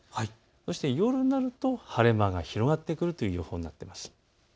そして夜になると晴れ間が広がってくるという予報になっています。